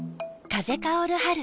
風薫る春。